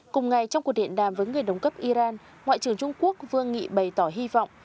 cùng ngày trong cuộc điện đàm với người đồng cấp iran ngoại trưởng trung quốc vương nghị bày tỏ hy vọng